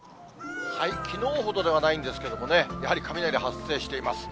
きのうほどではないんですけどもね、やはり雷発生しています。